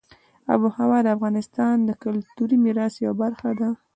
آب وهوا د افغانستان د کلتوري میراث یوه برخه ده.